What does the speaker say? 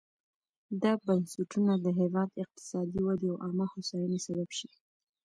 دا بنسټونه د هېواد اقتصادي ودې او عامه هوساینې سبب شي.